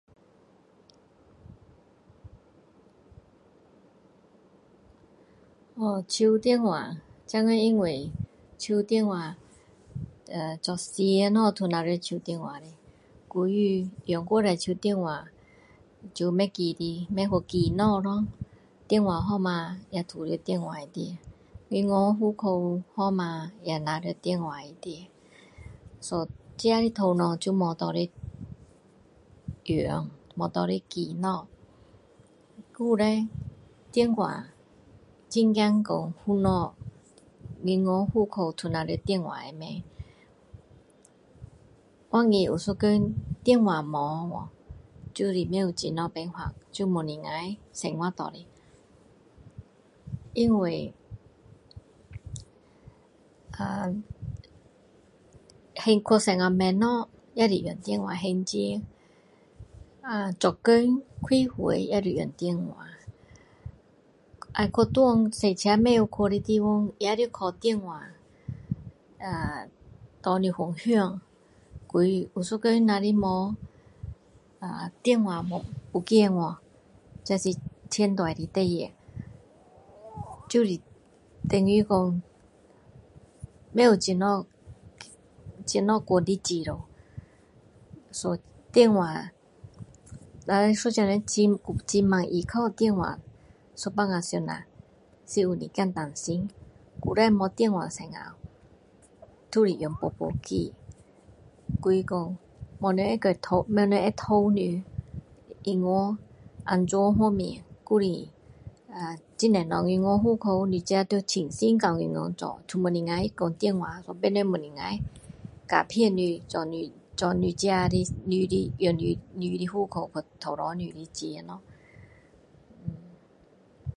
哦手电话现今因为手电话呃做什么都在手电话的所以用手电话就不记得不去记东西咯电话号码也都在电话里面银行户口号码也在电话里面so自己的头脑就没有拿来用没拿来记东西还有叻有什么都记在电话里面万一有一天电话不见就是不知道怎么办就不能生活因为呃要去哪里买东西也是用电话还钱啊做工开会也是用电话要去哪里开车不会去的地方也是要去电视呃给你方向所以有一天若是没呃电话不见去这是天大的事就是等于说不知道怎样怎样过日子那样所以电话一个人那么依靠电话有时候想一下是有一点担心以前没电话时都是用簿子记所以说没人会去偷没人偷你的难免安全很多银行户口你要亲身到银行做都不能说电话别人都不能欺骗你做你自己的你的你的户口去偷拿你的钱咯